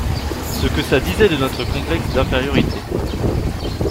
Ce que ça disait de notre complexe d’infériorité.